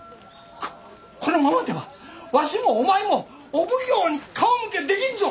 ここのままではわしもお前もお奉行に顔向けできんぞ！